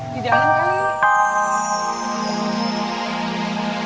di dalam lagi